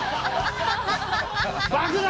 爆弾！